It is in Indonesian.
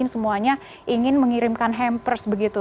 semuanya ingin mengirimkan hampers begitu